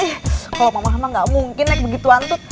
eh kalo mama mama gak mungkin naik begitu antut